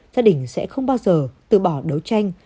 gia đình sẽ không bao giờ từ bỏ đấu tranh